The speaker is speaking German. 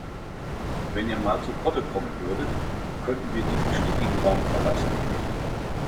Wenn ihr mal zu Potte kommen würdet, könnten wir diesen stickigen Raum verlassen.